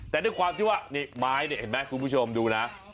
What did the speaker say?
แต่ด้วยความที่ว่านี่ไม้เนี่ยเห็นไหมคุณผู้ชมดูนะ